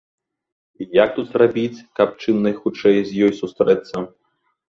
І як тут зрабіць, каб чым найхутчэй з ёй сустрэцца?